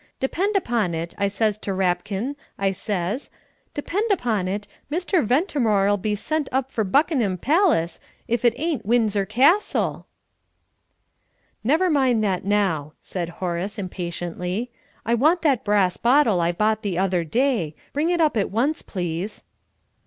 'Depend upon it,' I says to Rapkin, I says, 'depend upon it, Mr. Ventimore'll be sent for to Buckinham Pallis, if it ain't Windsor Castle!'" "Never mind that now," said Horace, impatiently; "I want that brass bottle I bought the other day. Bring it up at once, please."